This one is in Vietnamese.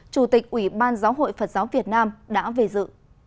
chủ tịch ủy ban giáo hội phật giáo việt nam đã về dự